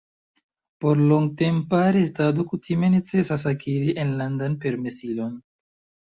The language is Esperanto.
Por longtempa restado kutime necesas akiri enlandan permesilon.